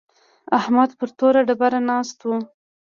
احمد پر توره ډبره ناست و.